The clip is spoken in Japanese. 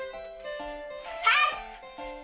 はい！